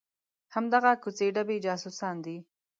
همدغه کوڅې ډبي جاسوسان دي.